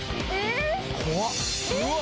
怖っ！